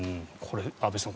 安部さん